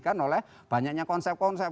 kan oleh banyaknya konsep konsep